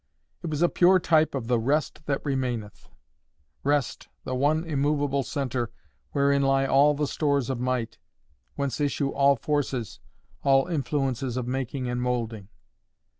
It was a pure type of the "rest that remaineth"—rest, the one immovable centre wherein lie all the stores of might, whence issue all forces, all influences of making and moulding.